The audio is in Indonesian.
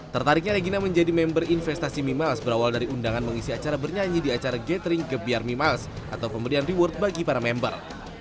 tertariknya regina menjadi member investasi mimiles berawal dari undangan mengisi acara bernyanyi di acara gathering gebiar mimiles atau pemberian reward bagi para member